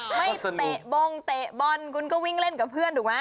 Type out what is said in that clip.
เตะบงเตะบอลคุณก็วิ่งเล่นกับเพื่อนถูกไหม